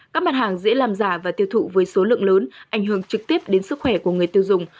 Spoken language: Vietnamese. các mặt hàng dễ làm giả và tiêu thụ với số lượng lớn ảnh hưởng trực tiếp đến sức khỏe của người tiêu dùng